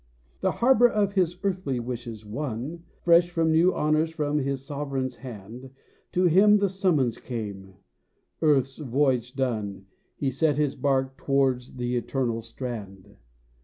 The harbor of his earthly wishes won, Fresh from new honors from his Sovereign's hand, To him the summons came. Earth's voyage done, He set his bark towards the eternal strand.